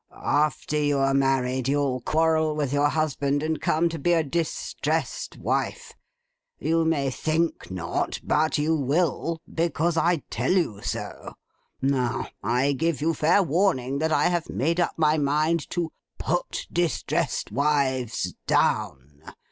After you are married, you'll quarrel with your husband and come to be a distressed wife. You may think not; but you will, because I tell you so. Now, I give you fair warning, that I have made up my mind to Put distressed wives Down.